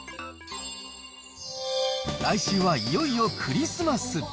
来週はいよいよクリスマス。